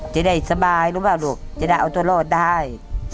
จะได้สบายรู้ป่ะลูกจะได้เอาตัวรอดได้